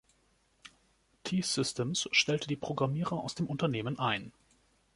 T-Systems stellte die Programmierer aus dem Unternehmen ein.